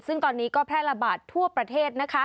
ซึ่งตอนนี้ก็แพร่ระบาดทั่วประเทศ